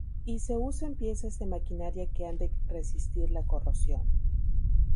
Y se usa en piezas de maquinaria que han de resistir la corrosión.